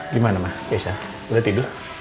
gimana ma elsa udah tidur